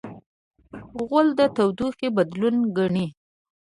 غول د تودوخې بدلون ګڼي.